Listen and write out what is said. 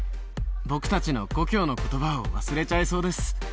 僕たちの故郷のことばを忘れちゃいそうです。